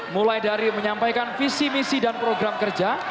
mulai dari menyampaikan visi misi dan program kerja